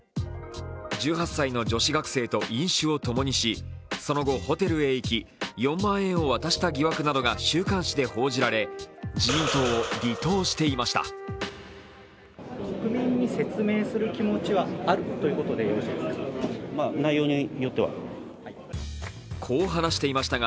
１８歳の女子学生と飲酒を共にし、その後ホテルへ行き４万円を渡した疑惑などが週刊誌で報じられ、自民党を離党していました。